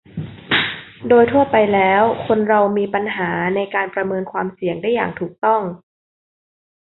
โดยทั่วไปแล้วคนเรามีปัญหาในการประเมินความเสี่ยงได้อย่างถูกต้อง